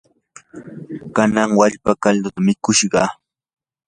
kanan wallpa kalduta mikushaq.